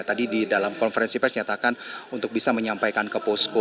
tadi di dalam konferensi pers menyatakan untuk bisa menyampaikan ke posko